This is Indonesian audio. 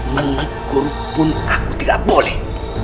menekur pun aku tidak boleh